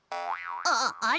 あっあれ？